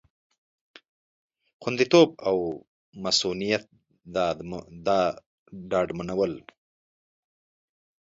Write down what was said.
خوندیتوب او مصئونیت ډاډمنول